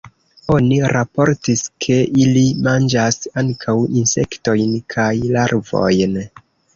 Oni raportis, ke ili manĝas ankaŭ insektojn kaj larvojn.